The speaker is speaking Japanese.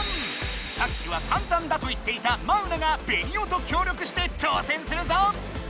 さっきは簡単だと言っていたマウナがベニオと協力してちょうせんするぞ！